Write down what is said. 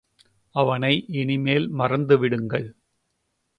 அவனை இனிமேல் மறந்துவிடுங்கள்.